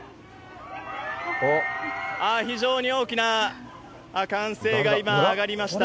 非常に大きな歓声が今、上がりました。